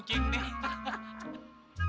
oh tahu cik